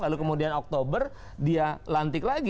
lalu kemudian oktober dia lantik lagi